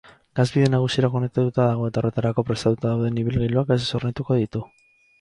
Gasbide nagusira konektatuta dago eta horretarako prestatuta dauden ibilgailuak gasez hornituko ditu.